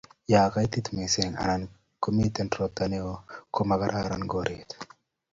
yo kaitit mising anan komiten ropta neoo komagararan koret